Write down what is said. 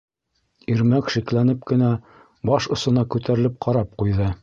Ирмәк шикләнеп кенә баш осона күтәрелеп ҡарап ҡуйҙы.